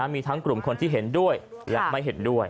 มีทั้งกลุ่มคนที่เห็นด้วยและไม่เห็นด้วย